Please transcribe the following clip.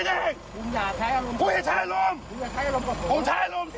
แล้วจะใช้อารมณ์อะไร